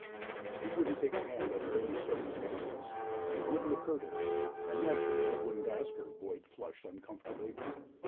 "She wouldn't take a hand under any circumstances it wouldn't occur to her and naturally I couldn't ask her." Boyd flushed uncomfortably.